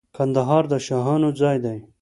کندهار د شاهانو ځای دی.